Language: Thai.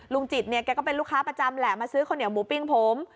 จิตเนี่ยแกก็เป็นลูกค้าประจำแหละมาซื้อข้าวเหนียวหมูปิ้งผม